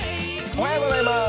おはようございます。